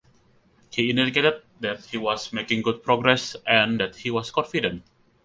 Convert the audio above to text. He indicated that he was making good progress and that he was confident.